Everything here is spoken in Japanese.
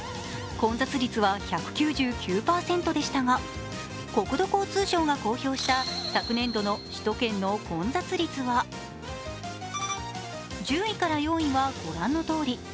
混雑率は１９９％でしたが、国土交通省が公表した昨年度の首都圏の混雑率は１０位から４位はご覧のとおり。